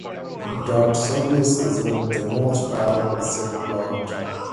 Darth Sidious is one of the most powerful Sith Lords.